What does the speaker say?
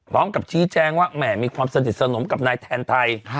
พร้อมกับชี้แจงว่าแหม่มีความสนิทสนมกับนายแทนไทย